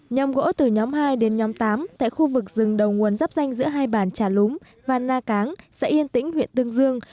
nhóm gỗ từ nhóm hai đến nhóm tám tại khu vực rừng đầu nguồn giáp danh giữa hai bản trà lúng và na cáng xã yên tĩnh huyện tương dương